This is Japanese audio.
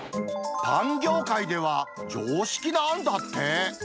パン業界では、常識なんだって。